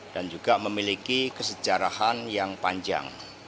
dan juga memiliki kesejarahan yang panjang